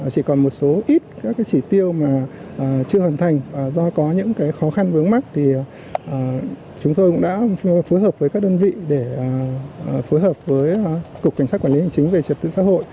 chỉ còn một số ít các chỉ tiêu mà chưa hoàn thành do có những khó khăn vướng mắt thì chúng tôi cũng đã phối hợp với các đơn vị để phối hợp với cục cảnh sát quản lý hành chính về trật tự xã hội